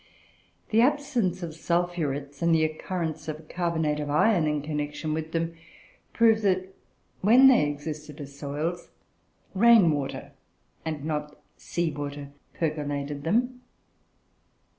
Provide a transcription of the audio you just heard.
The absence of sulphurets, and the occurrence of carbonate of iron in connection with them, prove that, when they existed as soils, rain water, and not sea water, percolated them.